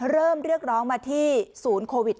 เริ่มเลือกร้องมาที่สูรโควิด